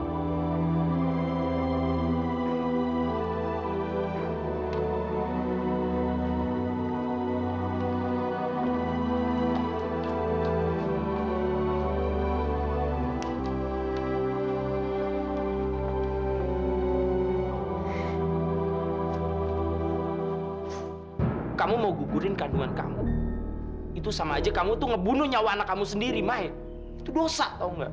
hai kamu mau gugurin kandungan kamu itu sama aja kamu tuh ngebunuh nyawa anak kamu sendiri my dosa